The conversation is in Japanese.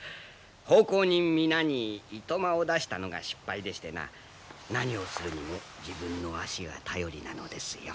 奉公人皆にいとまを出したのが失敗でしてな何をするにも自分の足が頼りなのですよ。